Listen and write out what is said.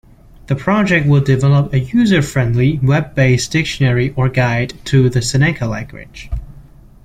The project will develop a user-friendly, web-based dictionary or guide to the Seneca language.